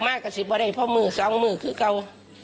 และก็จะเป็นบ่อนี่แหละครับ